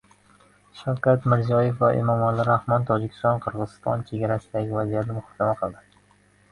Shavkat Mirziyoyev va Emomali Rahmon Tojikiston-Qirg‘iziston chegarasidagi vaziyatni muhokama qildi